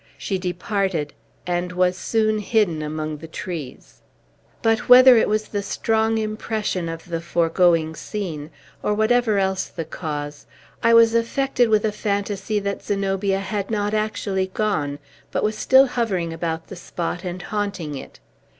She departed, and was soon hidden among the trees. But, whether it was the strong impression of the foregoing scene, or whatever else the cause, I was affected with a fantasy that Zenobia had not actually gone, but was still hovering about the spot and haunting it.